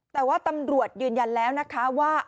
แต่ว่าตำรวจยืนยันแล้วนะคะว่า